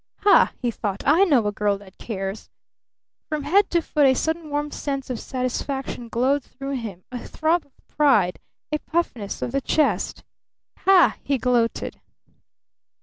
"Ha!" he thought. "I know a girl that cares!" From head to foot a sudden warm sense of satisfaction glowed through him, a throb of pride, a puffiness of the chest. "Ha!" he gloated.